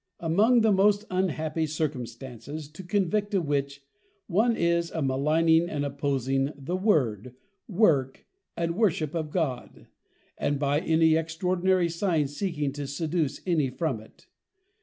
Among the most unhappy circumstances to convict a Witch, one is, a maligning and oppugning the Word, Work, and Worship of God, and by any extraordinary sign seeking to seduce any from it.